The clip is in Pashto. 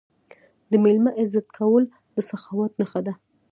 د میلمه عزت کول د سخاوت نښه ده.